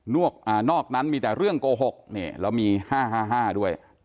นอกนั้นมีแต่เรื่องโกหกแล้วมี๕๕ด้วย